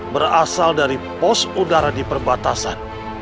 berasal dari pos udara di perbatasan